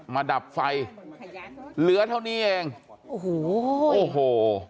มาดับไฟเหลือเท่านี้เองโอ้โห